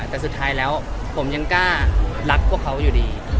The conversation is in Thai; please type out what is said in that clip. แต่สุดท้ายแล้วผมยังกล้ารักพวกเขาอยู่ดี